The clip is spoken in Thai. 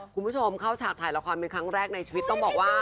คุณผู้ชมเข้าฉากถ่ายละครเป็นครั้งแรกในชีวิตต้องบอกว่า